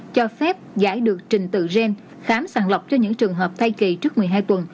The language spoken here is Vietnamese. cho phép giải được trình tự gen khám sàng lọc cho những trường hợp thai kỳ trước một mươi hai tuần